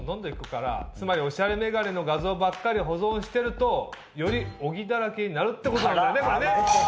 つまりオシャレメガネの画像ばっかり保存してるとより小木だらけになるってことなんだよねこれね！